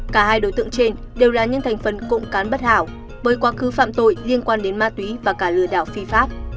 cả hai đối tượng trên đều là những thành phần cộng cán bất hảo với quá khứ phạm tội liên quan đến ma túy và cả lừa đảo phi pháp